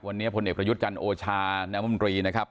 วันนี้พลเอกประยุทธจันโอชานมรีนะครับ